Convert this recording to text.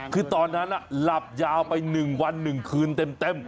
คือตอนนั้นน่ะหลับยาวไปหนึ่งวันหนึ่งคืนเต็ม